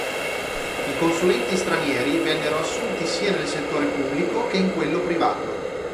I consulenti stranieri vennero assunti sia nel settore pubblico che in quello privato.